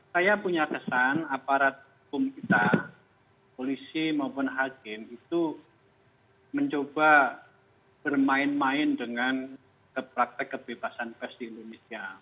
saya punya kesan aparat hukum kita polisi maupun hakim itu mencoba bermain main dengan kepraktek kebebasan pers di indonesia